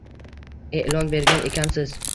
E'lon bergan ekansiz.